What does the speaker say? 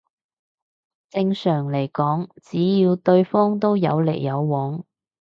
正常嚟講只要對方都有來有往